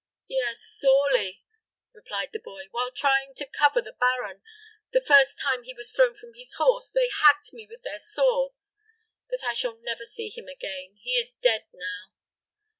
"Yes, sorely," replied the boy. "While trying to cover the baron, the first time he was thrown from his horse, they hacked me with their swords. But I shall never see him again; he is dead now."